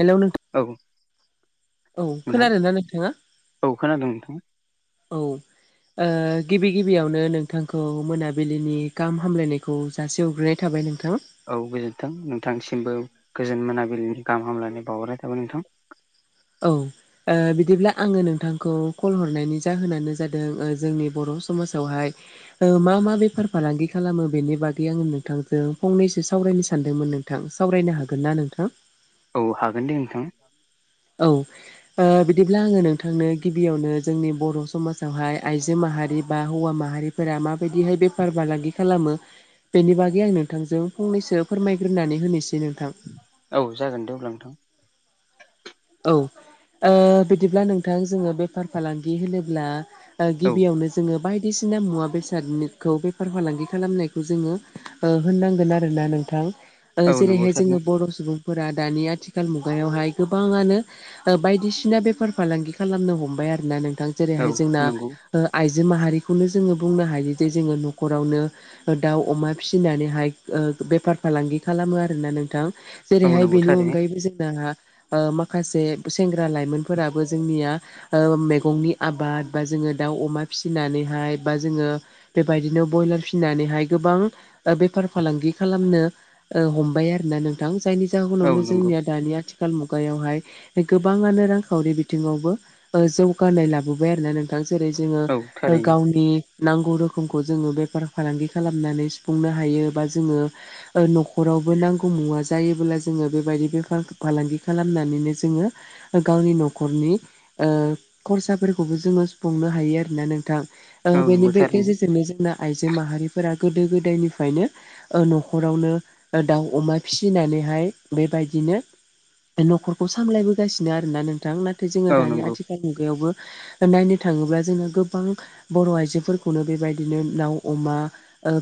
Hello औ नोंथां औ खोनादों नोंथां औ ओ थाबाय नोंथां औ गोजोनथों नोंथांसिमबो गोजोन मोनाबिलिनि औ ओ बिदिब्ला आङो नोंथांखौ कल हरनायनि जाहोनानो जादों ओ जोंनि बर' समाजावहाय [inaudible] थां सावरायनो औ हागोन दे नोंथां औ ओ बिदिब्ला आङो नोंथांनो गिबियावनो जोंनि बर' समाजावहाय आइजो माहारि बा हौवा माहारि फोरा माबायदिहाय बेफार फालांगि खालामो बेनि बागै आं नोंथांजों फंनैसो फोरमायग्रोनानै होनोसै नोंथां औ जागोन दे अब्ला नोंथां औ ओ बिदिब्ला नोंथां जोङो बेफार फालांगि होनोब्ला ओ औ गिबियावनो जोङो बायदिसिना मुवा बेसादनिखौ बेफार फालांगि खालामनायखौ जोङो ओ होननांगोन आरोना नोंथां ओ औ नंगौ जेरैहाय थारैनो जोङो बर' सुबुंफोरा दानि आथिखाल मुगायावहाय गोबाङानो ओ बायदिसिना बेफार फालांगि खालामनो हमबाय आरोना नोंथां औ जेरैहाय जोंना नंगौ ओ आइजो माहारिखौनो जोङो बुंनो हायो जे जोङो नख'रावनो ओ दाउ अमा फिसिनानैहाय ओ बेफार फालांगि खालामो आरोना नोंथां औ जेरैहाय नंगौ बेनि थारैनो अनगायैबो जोंना ओ माखासे सेंग्रा लाइमोनफोराबो जोंनिया ओ मैगंनि आबाद बा जोङो दाउ अमा फिसिनानैहाय बा जोङो बेबायदिनो ब्रयलार फिनानैहाय गोबां ओ बेफार फालांगि खालामनो ओ हमबाय आरोना नोंथां जायनि औ जाहोनावनो नंगौ जोंनिया दानि आथिखाल मु ुगायावहाय गोबाङनो रांखावरि बिथिङावबो जौगानाय लाबोबाय आरोोना नों जेरै जोङो औ थारैनो गावनि नांगौ रोखोमखौ जोङो बेफार फालांगि खालामनानै सुफुंनो हायो बा जोङो न'खरावबो नांगौ मुवा जायोब्ला जोङो बेबायदि बेफ फालांगि खालामनानैनो जोङो गावनि न'खरनि ओ खरसाफोरखौबो जोङो सुफुंनो हायो आरोना नोंथां ओ औ बेनि नंगौ बे थारैनो गेजेरजोंनो जोंना आइजो माहारिफोरा गोदो गोदायनिफ्रायनो ओ नख'रावनो ओ दाउ अमा फिसिनानैहाय बेबायदिनो नख'रखौ सामलायबोगासिनो आरोना नोंथां नाथाय जोङो औ दानि नंगौ आथिखाल मुगायावबो नायनो थाङोब्ला जोङो गोबां बर' आइजोफोरखौनो बेबायदिनो दाउ अमा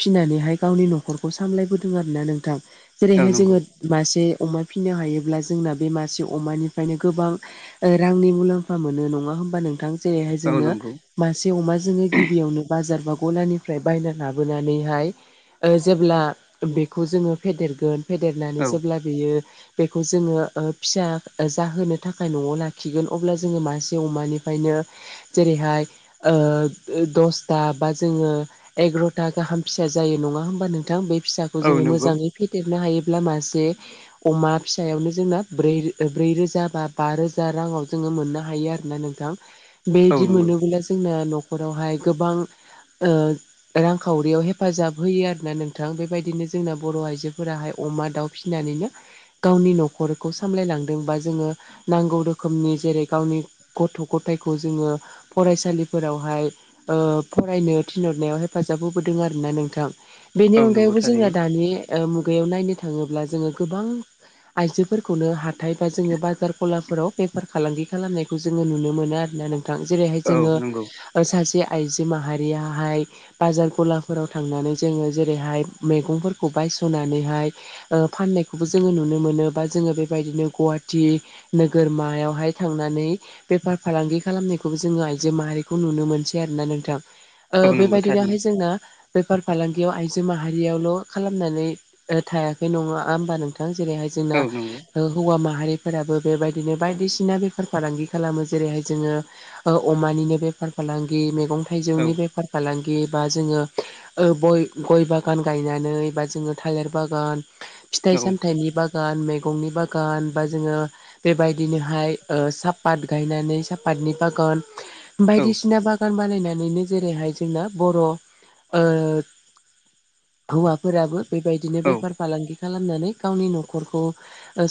फिनानैहाय गावनि न'खरखौ सामलायबोदों आर ना नोंथां औ जेरैहाय नंगौ जोङो मासे अमा फिसिनो हायोब्ला जोंना बे मासे अमानिफ्रायनो गोबां रांनि मुलाम्फा मोनो नङा होमबा नोंथां जेरैहाय औ जोंनो नंगौ मासे अमााजोङो गिबियावनो बाजार बा गलानिफ्राय बायना लाबोनानैहाय जेब्ला बेखौ जोङो फेदेरगोन फेदेरनानै औ जेब्ला बेयो बेखौ जोङो फिसा जाहोनो थाखाय न'आव लाखिगोन अब्ला जोङो मासे अमानिफ्रायनो जेरैहाय दसथा बा जोङो एगार'था गाहाम फिसा जायो नङा होमबा नोंथां बे फिसा खौ औ जोङो नंगौ मोजाङै फेदेरनो हायोब्ला मासे अमा फिसायावनो जोंना ब्रै रोजा बा बा रोजा राङाव जोङो मोननो हायो आरोना नोंथां। औ बेबायदि नंगौ मोनोब्ला जोंना न'खरावहाय गोबां रांखावरियाव हेफाजाब होयो। आर ना नोंथां बेबायदिनो जोंना बर' आइजोफोराहाय अमा दाउ फिसिनानैनो गावनि न'खर खौ सामलायलांदोंबा जोङो नांगौ रोखोमनि जेरै गावनि गथ' गथायखौ जोङो फरायसालिफोरावहाय फरायनो थिनहरनायाव हेफाजाब होबोदों आर ना नोंथां। बेनि औ नंगौ अनगायैबो जोङो थारैनो दानि मुगायाव नायनो थाङोब्ला जोङो गोबां आइजो खौनो हाथाय बा जोङो बाजार खलाफोराव बेफार फालांगि खालामनायखौ जोङो नुनो मोनो आरो होनना नोंथां जेरैहाय औ जोङो नंगौ सासे आइजो माहारियाहाय बाजार गलाफोराव थांनानै जोङो जेरैहाय, मैगंफोरखौ बायस'नानैहाय फाननायखौबो जोङो नुनो मोनो बा जोङो बेबायदिनो गुवाहाटिी नोगोरमायावहाय थांनानै बेफार फालांगि खालामनायखौबो जोङो आइजो माहारिखौ नुनो मोनसै आरोना नोंथां। औ नंगौ थारैनो बेबायदिनोहाय जोंना बेफार फालांगियाव आइजो माहारियावल' खालामनानै थायाखै नङा होमबा नोंथां जेरैहाय जों नांगौ हौवा माहारिफोराबो बेबायदिनो बायदिसिना बेफार फालांगि खालामो जेरैहाय जोङो अमानिनो बेफार फालांगि मैगं औ थाइजौनि बेफार फालांगि बा जोङो गय गय बागान गायनानै बा जोङो थालिर बागान फिथाइ- औ सामथाइनि बागान, मैगंनि बागान बा जोङो बेबायदिनोहाय सापत गायनानै साहापतनि बागान बायदिसिना बागान बिफान बानायनानैनो जेरैहाय जोंना बर' हौवाफोराबो बेबायदिनो औ बेफार फालांगि खालामनानै गावनि न'खरखौ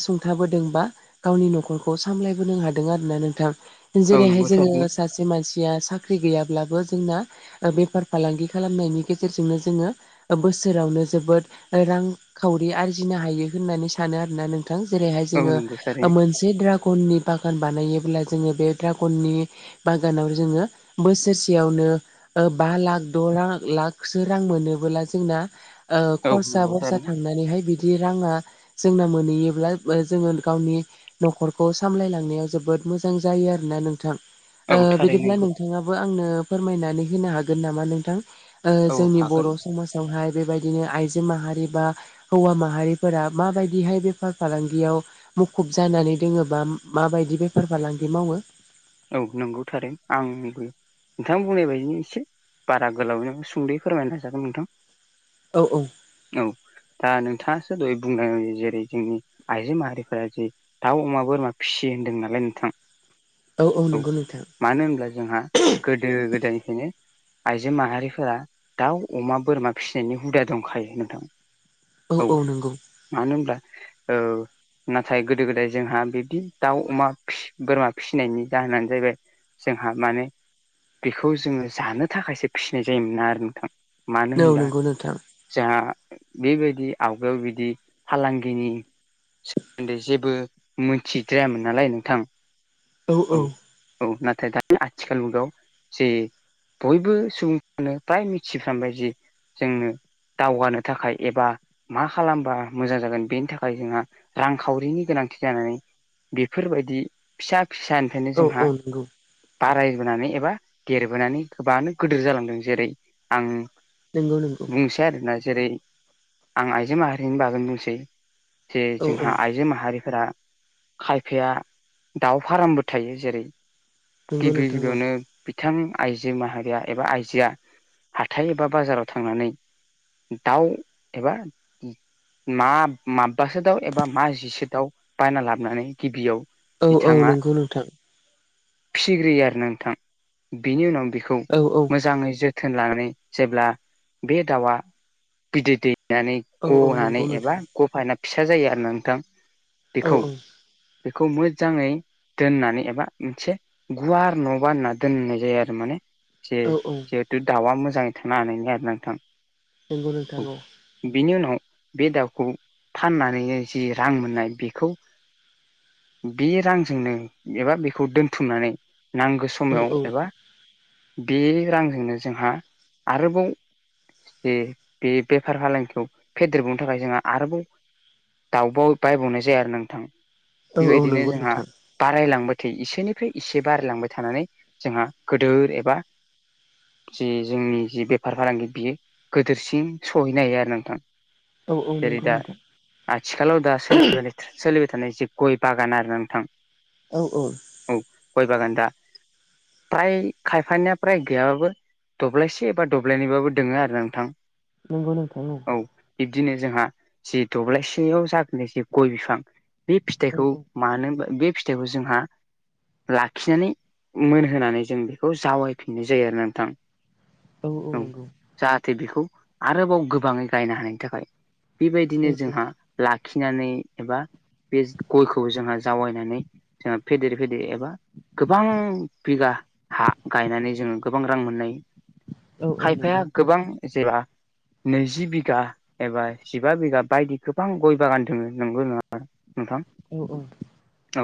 सुंथाबोदों बा गावनि न'खरखौ सामलायबोनो हादों आरोना नोंथां। औ नंगौ जेरैहाय जोङो थारैनो सासे मानसिया साख्रि गैयाब्लाबो जोंना बेफार फालांगि खालामनायनि गेजेरजोंनो जोङो बोसोरावनो जोबोद रांखावरि आरजिनो हायो होननानै सानो आरो ा नोंथां जेरैहाय औ जोङो नंगौ थारैनो मोनसे ज ड्रागननि बागान बानायोबब्ला जोङो बे ड्रागननि बागानाव जोङो बोसोरसेयावनो बा लाख द' लाख लाखसो रां मोनोबोला जोंना। औ खरसा नंगौ बरसा थारैनो थांनानैहाय बिदि राङा जोंना मोनो। नुयोब्ला जोङो गावनि। न'खरखौ सामलायलांनायाव जोबोद मोजां जायो आरोना नोंथां। औ थारैनो बिदिब्ला नंगौ नोंथाङाबो आंनो फोरमायनानै होनो हागोन नामा नोंथां। औ जोंनि हागोन बर' समाज। हाय बेबायदिनो आइजो माहारि बा हौवा माहारिफोरा मा बायदिहाय बे बेफार फालांगियाव मुखुब जानानै दोङोबा माबायदि बेफार फालांगि मावो। औ नंगौथारो आंनिबो। नोंथां बुंनाय बायदिनो एसे बारा गोलाव सुंदयै फोरमायनो नाजागोन नोंथां। औ औ। औ दा नोंथाङासो दह बुंदों जेरै जोंनि आइजो माहारिफोरा जे। दाउ अमा बोरमा फिसियो होन्दों नालाय नोंथां। औ औ नंगौ नोंथां। मानो होनब्ला जोंहा गोदो गोदायनिफ्रायनो। आइजो माहारिफोरा दाउ अमा बोरमा फिसिनायनि हुदा दंखायो नोंथां। औ औ नंगौ। मानोहोनब्ला। नाथाय गोदो गोदाय जोंहा बिदि दाउ अमा बोरमा फिसिनायनि। जाहोनानो जाहैबाय जोंहा माने। बेखौ जोङो जानो थाखायसो फिसिनाय जायोमोना आरो नोंथां मानो औ होनबब्ला। नंगौ नोंथां जोंहा बेबायदि आवगायाव बिदि फालांगिनि। सोमोन्दै जेबो मिथिद्रायामोन नालाय नोंथां। औ औ। औ नाथाय दानि आथिखाल मुगायाव जे। बयबो सुबुंफ्रानो फ्राय मिथिफ्रामबायदि जोंनो। दावगानो थाखाय एबा। मा खालामबा मोजां जागोन बेनि थाखाय जोंहा रांखावरिनि गोनांथि जानानै। बेफोरबायदि फिसा फिसानिफ्रायनो औ औ जोंहा। नंगौ बारायबोनानै एबा देरबोनानै गोबानो गोदोर जालांदों जेरै आं। नंगौ नंगौ। फ आरोना जेरै आं आइजो माहारिनि बागैनो बुंसै। जे औ औ जोंहा आइजो माहारिफोरा खायफाया दाउ। फार्मबो थायो जेरै नंगौ गिबि नोंथां गिबियावनो। बिथां आइजो माहारिया एबा आइजोआ हाथाय एबा बाजाराव थांनानै। दाउ एबा। मा माबासो दाउ एबा मा जिसो दाउ बायना लाबोनानै गिबियाव। औ औ बिथाङा नंगौ नोंथां। फिसिग्रोयो आरो नोंथां बिनि उनाव बेखौ। औ औ। मोजाङै जोथोन लानानै जेब्ला बे दाउआ बिदै दै नानै। औ औ ग नानै नंगौ एबा नोंथां ग फायना। फिसा जायो आरोना नोंथां औ बेखौ बेखौ मोजाङै। दोननानै एबा मोनसे गुवार न बानायना दोननाय जायो आरो माने। जे औ औ जिहेथु दाउआ मोजाङै थांनो हानायनि आरो नोंथां। नंगौ नोंथां औ। बिनि उनाव बे दाउखौ फाननानैनो जि रां मोननाय बेखौ। बे रांजोंनो एबा बेखौ दोनथुमनानै नांगौ समायाव औ औ एबा बे रांजोंनो जोंहा आरोबाव जे बे बेफार फालांगिखौ फेदेरबावनो थाखाय जोंहा आरोबाव दाउबाव बायबावनाय जाया आरो नोंथां औ औ बेबायदिनो नंगौ जोंहा नोंथां बारायलांबाय थै एसेनिफ्राय एसे बारायलांबाय थानानै जोंहा गोदोर एबा जि जोंनि जि बेफार फालांगि बियो गोदोरसिन सहैनो हायो आरो नोंथां। औ औ जेरै नंगौ दा नोंथां आथिखालाव दाो सोलिबाय थानाय जे गय बागान आरो नोंथां औ औ औ गय बागान दा फ्राय खायफानिा फ्राय गैयाबाबो दब्लायसे एबा दब्लायनबाबो दोङो आरो नोंथां नंगौ नोंथांनो औ बिब्दिनो जोंहा जि दब्लायसेयाव जाखोनाय जे गय बिफां बे औ फिथाइखौ औ मानोा बे फिथाइखौ जोंहा लाखिनानै मोनहोनानै जों बेखौ जावै फिननाय जायो आरो नोंथां। औ औ नंगौ। जाहाथे बेखौ आरोबाव गोबाङै गायनो हानायनि थाखाय बेबायदिनो औ जोंहा लाखिनानै एबा बे गयखौबो जोंहा जावैनानै जोंहा फेदेर फेदेर एबा गोबां बिगा हा गायनानै जोङो गोबां रां मोननाय औ औ खायफाया नंगौ औ गोबां जेबा नैजि बिघा एबा जिबा बिगा बायदि गोबां गय बागान दङो नंगौ नङा नोंथां? औ औ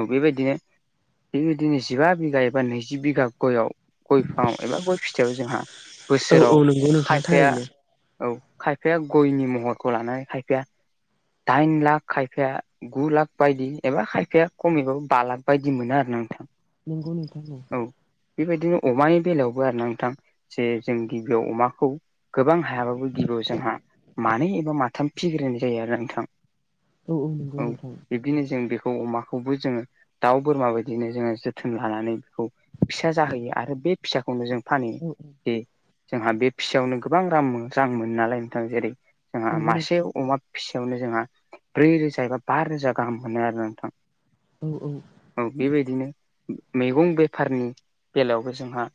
औ बेबायदिनो थिगबायदिनो जिबा बिघा एबा नैजि बिघा गयाव गय बि फाङाव एबा गय फिथाइयाव जोंहा औ बोसोराव नंगौ नोंथां खायफाया थारैनो औ खायफाया गयनि महरखौ लानानै खायफाया दाइन लाख खायफाया गु लाख बायदि एबा खायफाया खमैबो बा लाख बायदि मोनो आरोना नोंथां। नोंगौ नोंथां। औ बेबायदिनो अमानि बेलायावबो आरोना नोंथां जे जों गिबियाव अमाखौ गोबां हायाबाबो गिबियाव जोंहा मानै एबा माथाम फिग्रोनाय जायो आरोना नोंथां। औ औ नंगौ नोंथां। बिदिनो जों बेखौ अमा खौबो जोङो दाउ बोरमा बायदिनो जोङो जोथोन लानानै बेखौ फिसा जाहोयो आरो बे फिसाखौनो जों फानो औ बे जोंहा बे फिसायावनो गोबां रां रां मोनो नालाय नोंथां जेरै जोंहा नंगौ नों मासे अमा फिसायावनो जोंहा ब्रै रोजा एबा बा रोजा गाहाम मोनो आरो नोंथां। औ औ औ बेबायदिनो मैगं बेफारनि बेलायावबो जोंहा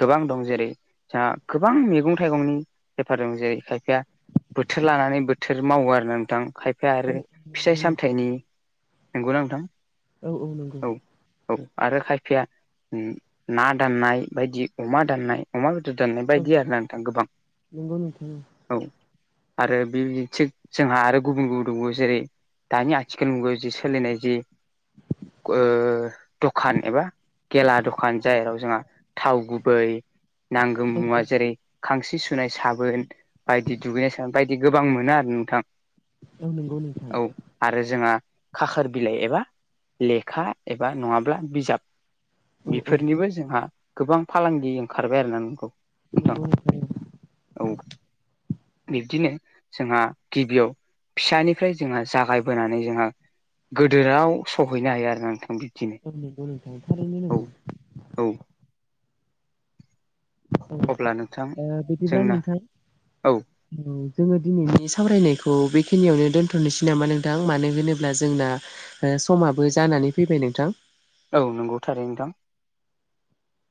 गोबां दं जेरै जोंहा गोबां मैगं थाइगंनि बेफार दं जेरै खायफाया बोथोर लानानै बोथोर मावो आरो नोंथां खायफाया औ आरो नंगौ फिथाइ नोंथां सामथाइनि नोंगौ ना‌ नोंथां? औ औ नंगौ। औ आरो खायफाया ना दाननाय बायदि अमा दाननाय अमा बेदर दोननाय औ बायदि आरोना नोंथां गोबां। नंगौ नोंथां औ आरो बेबिदिनो‌ थिग जोंहा आरो गुबुन गुबुन दंबावो जेरै दानि आथिखाल मुगायाव जि सोलिनाय जि दखान एबा गेला दखान जायाव जोंहा थाव गुबै नांगौ औ मुवा जेरै खांसि सुनाय साबोन बायदि दुगैनाय साबोन बायदि गोबां मोनो आरो नोंथां। औ नंगौ नोंथां। औ आरो जोंहा खाखोर बिलाइ एबा लेखा एबा नङाब्ला बिजाब औ औ बेफोरनिबो जोंहा गोबां फालांगि ओंखारबाय आरोना नंगौ। नोंथां नंगौ नोंथां औ बिब्दिनो जोंहा गिबियाव फिसानिफ्राय जोंहा जागायबोनानै जोंहा गोदोराव सहैनो हायो आरो नोंथां बे। नंगौ नोंथां थारैनो नंगौ औ अब्ला नोंथां बिदिब्ला जोंना नोंथां औ जोङो दिनैनि सावरायनायखौ बेखिनियावनो दोन्थ'नोसै नामा नोंथां मानो होनोब्ला जोंना समाबो जानानै फैबाय नोंथां औ नंगौ थारैनो नोंथां।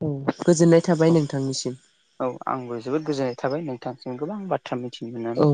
औ गोजोननाय थाबाय औ नोंथांनिसिम। औ आंबो जोबोद गोजोननाय थाबाय नोंथांसिम गोबां बाथ्रा मिथिनो औ मोननानै